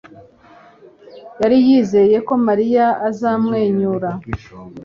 yari yizeye ko Mariya azamwenyura.